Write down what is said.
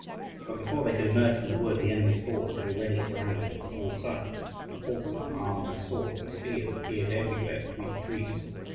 But before they could emerge from the wood, the enemy's force had already surrounded it on all sides, and horsemen armed with swords and spears appeared everywhere between the trees.